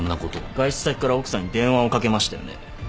外出先から奥さんに電話をかけましたよね。